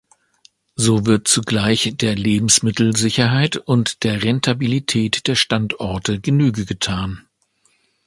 So wird zugleich der Lebensmittelsicherheit und der Rentabilität der Standorte Genüge getan.